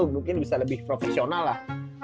mungkin bisa lebih profesional lah